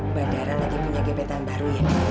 mbak dara lagi punya gebetan baru ya